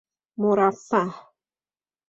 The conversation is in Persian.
مرفه